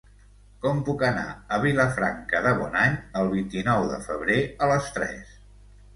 Com puc anar a Vilafranca de Bonany el vint-i-nou de febrer a les tres?